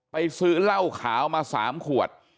ซื้อเหล้าขาวมา๓ขวด